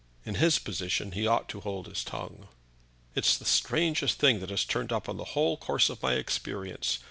"In his position he ought to hold his tongue." "It's the strangest thing that has turned up in the whole course of my experience.